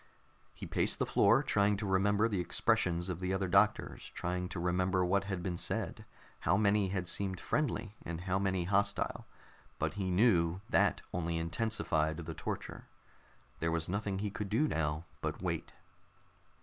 He paced the floor, trying to remember the expressions of the other doctors, trying to remember what had been said, how many had seemed friendly and how many hostile, but he knew that only intensified the torture. There was nothing he could do now but wait.